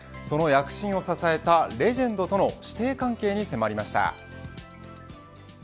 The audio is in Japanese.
その躍進を支えたレジェンドとの師弟関係に迫りました。